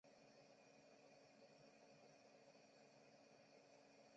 吕赫伊。